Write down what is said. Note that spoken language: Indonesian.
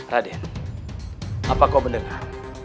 raden apa kau mendengar